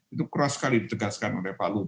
itu keras sekali ditegaskan oleh pak luhut